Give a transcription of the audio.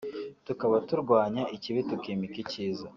tukabaho turwanya ikibi tukimika icyiza